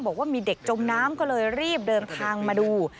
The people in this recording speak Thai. บอกว่ามีเด็กจมน้ำก็เลยรีบเดินทางมาดู